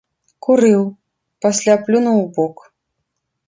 Курыў, пасля плюнуў убок.